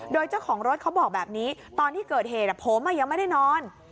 โดยเจ้าของรถเขาบอกแบบนี้ตอนที่เกิดเหตุผมยังไม่ได้นอน